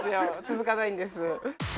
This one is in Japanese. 続かないんです。